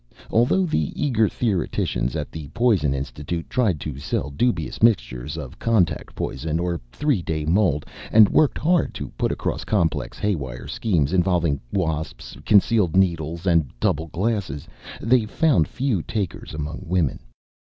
Although the eager theoreticians at the Poison Institute tried to sell dubious mixtures of Contact Poison or Three Day Mold, and worked hard to put across complex, haywire schemes involving wasps, concealed needles, and double glasses, they found few takers among women.